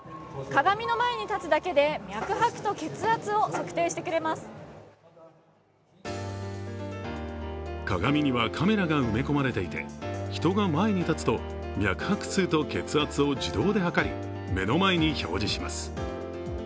鏡にはカメラが埋め込まれていて、人が前に立つと脈拍数と血圧を自動で測り目の前に表示します。